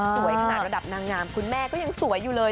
ขนาดระดับนางงามคุณแม่ก็ยังสวยอยู่เลย